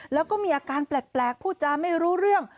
แล้วก็มีอาการแปลกพูดจาไม่รู้เรื่อง